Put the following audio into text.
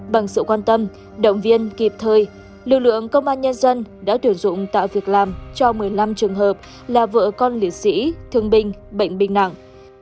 bằng sự quan tâm động viên kịp thời lực lượng công an nhân dân đã điều dụng tạo việc làm cho một mươi năm trường hợp là vợ con liệt sĩ thương binh bệnh binh nặng